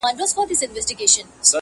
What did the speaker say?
لکه باغوان چي پر باغ ټک وهي لاسونه-